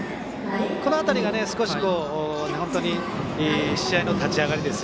この辺りが、試合の立ち上がり